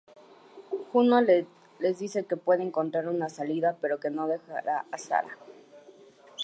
Juno les dice que puede encontrar una salida, pero que no dejará a Sarah.